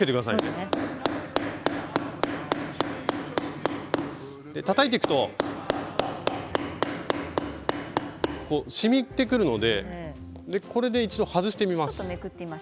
葉っぱをたたく音たたいていくとしみてくるのでこれで一度、外してみます。